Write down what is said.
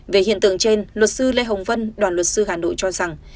về hiện tượng trên luật sư lê hồng vân đoàn luật sư hà nội cho rằng